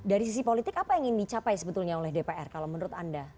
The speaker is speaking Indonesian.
dari sisi politik apa yang ingin dicapai sebetulnya oleh dpr kalau menurut anda